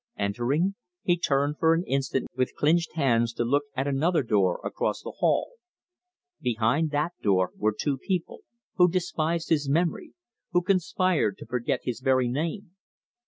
Entering, he turned for an instant with clinched hands to look at another door across the hall. Behind that door were two people who despised his memory, who conspired to forget his very name.